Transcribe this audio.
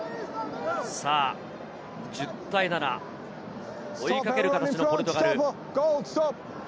１０対７、追いかける形のポルトガル。